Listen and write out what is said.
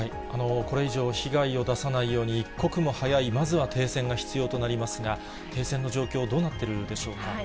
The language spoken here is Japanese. これ以上、被害を出さないように、一刻も早いまずは停戦が必要となりますが、停戦の状況、どうなっているでしょうか。